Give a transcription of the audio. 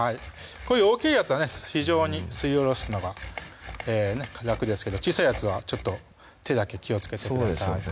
こういう大きいやつはね非常にすりおろすのが楽ですけど小さいやつはちょっと手だけ気をつけてください